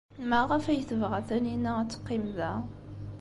Maɣef ay tebɣa Taninna ad teqqim da?